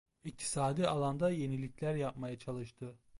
İktisadi alanda yenilikler yapmaya çalıştı.